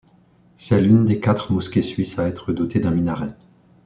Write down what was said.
C'est l'une des quatre mosquées suisses à être dotées d'un minaret.